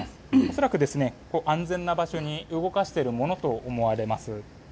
恐らく安全な場所に動かしているものと思われます。